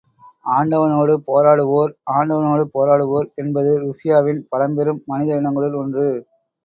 ஆண்டவனோடு போராடுவோர் ஆண்டவனோடு போராடுவோர் என்பது ருஷ்யாவின் பழம்பெரும் மனித இனங்களுள் ஒன்று.